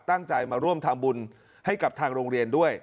ตั้งใจมาร่วมทำบุญให้กับทางโรงเรียนด้วย